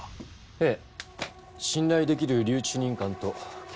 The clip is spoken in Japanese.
ええ。